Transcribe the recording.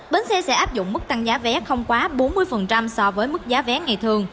bến xe sẽ áp dụng mức tăng giá vé không quá bốn mươi so với mức giá vé ngày thường